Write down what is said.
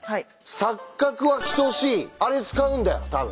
「錯角は等しい」あれ使うんだよ多分。